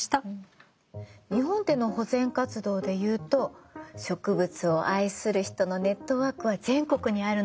日本での保全活動で言うと植物を愛する人のネットワークは全国にあるの。